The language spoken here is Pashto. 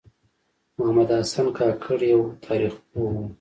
محمد حسن کاکړ یوه تاریخ پوه و .